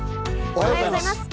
おはようございます。